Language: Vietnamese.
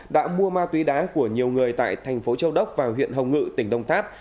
đã mua ma túy đá của nhiều người tại thành phố châu đốc và huyện hồng ngự tỉnh đông tháp